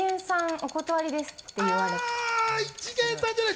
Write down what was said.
お断りですって言われた。